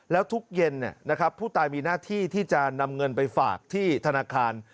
แล้วทุกเย็นผู้ตายมีหน้าที่ที่จะนำเงินไปฝากที่ธนาคาร